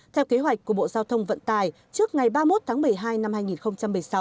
theo kế hoạch của bộ giao thông vận tài trước ngày ba mươi một tháng một mươi hai năm hai nghìn một mươi sáu